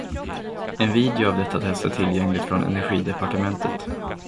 En video av detta test är tillgänglig från energidepartementet.